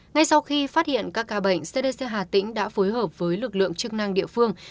ngay sau khi phát hiện các ca bệnh cdc hà tĩnh đã phối hợp với lực lượng chức năng địa phương